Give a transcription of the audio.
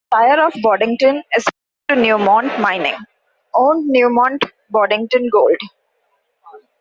The Shire of Boddington is home to Newmont Mining, owned Newmont Boddington Gold.